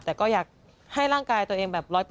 แต่ก็อยากให้ร่างกายตัวเองแบบ๑๐๐